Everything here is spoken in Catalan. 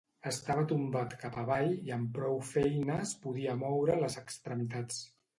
Estava tombat cap avall i amb prou feines podia moure les extremitats.